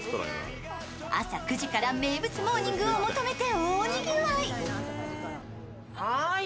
朝９時から名物モーニングを求めて大にぎわい。